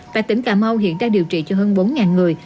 tại tỉnh cà mau hiện đang điều trị cho hơn bốn người